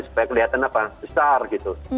supaya kelihatan apa besar gitu